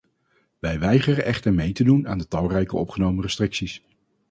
Wij weigeren echter mee te doen aan de talrijke opgenomen restricties.